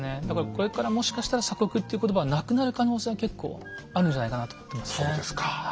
だからこれからもしかしたら「鎖国」っていう言葉はなくなる可能性は結構あるんじゃないかなと思ってますね。